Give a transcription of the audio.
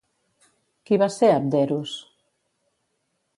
Qui va ser Abderos?